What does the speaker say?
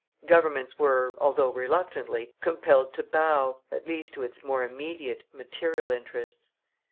Governments were, although reluctantly, compelled to bow, at least to its more immediate material interests.